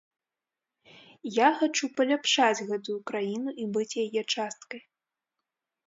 Я хачу паляпшаць гэтую краіну і быць яе часткай.